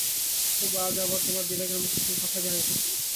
তবু আজ আবার তোমার বিরাগের মুখে সেই কথাই জানাইতেছি।